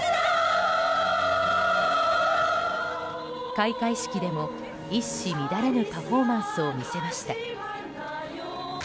開会式でも、一糸乱れぬパフォーマンスを見せました。